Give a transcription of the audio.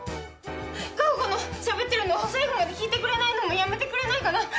カホコのしゃべってるのを最後まで聞いてくれないのもやめてくれないかな？